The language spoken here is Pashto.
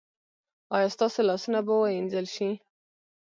ایا ستاسو لاسونه به وینځل شي؟